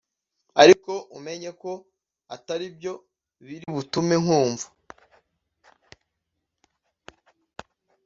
Ariko umenye ko atari byo biri butume nkumva